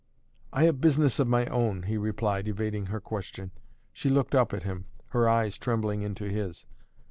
"I have business of my own," he replied, evading her question. She looked up at him, her eyes trembling into his.